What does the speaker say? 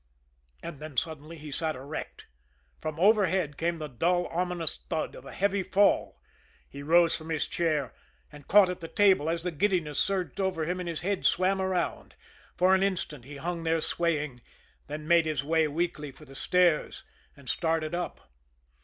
And then suddenly he sat erect. From overhead came the dull, ominous thud of a heavy fall. He rose from his chair and caught at the table, as the giddiness surged over him and his head swam around. For an instant he hung there swaying, then made his way weakly for the stairs and started up.